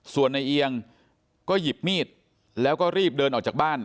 ส่วนในเอียงก็หยิบมีดแล้วก็รีบเดินออกจากบ้าน